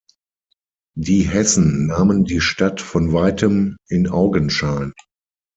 Die Hessen nahmen die Stadt von weitem in Augenschein.